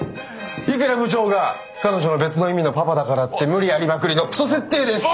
いくら部長が彼女の別の意味の「パパ」だからって無理ありまくりのクソ設定です！